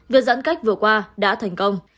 việc giãn cách vừa qua đã thành công